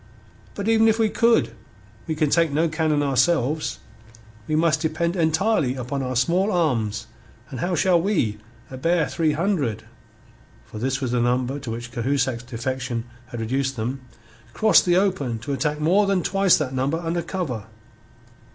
But even if we could, we can take no cannon ourselves; we must depend entirely upon our small arms, and how shall we, a bare three hundred" (for this was the number to which Cahusac's defection had reduced them), "cross the open to attack more than twice that number under cover?"